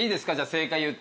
正解言って。